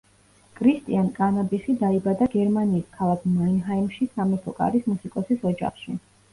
კრისტიან კანაბიხი დაიბადა გერმანიის ქალაქ მანჰაიმში სამეფო კარის მუსიკოსის ოჯახში.